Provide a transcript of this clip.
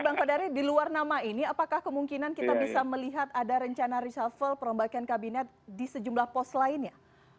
bang kodari di luar nama ini apakah kemungkinan kita bisa melihat ada rencana reshuffle perombakan kabinet di sejumlah pos lainnya